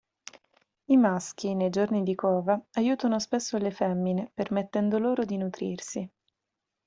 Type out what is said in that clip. I maschi nei giorni di cova aiutano spesso le femmine, permettendo loro di nutrirsi.